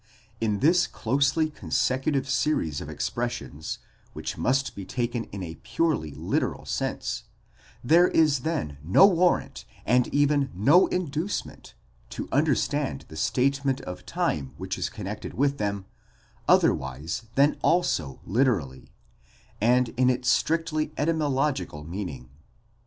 In this closely con secutive series of expressions, which must be taken in a purely literal sense, there is then no warrant, and even no inducement, to understand the state ment of time which is connected with them, otherwise than also literally, and in its strictly etymological meaning.